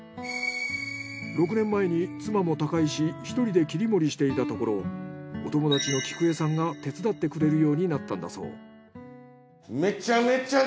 一人で切り盛りしていたところお友達の菊江さんが手伝ってくれるようになったんだそう。